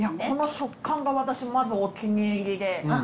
この食感が私まずお気に入りで。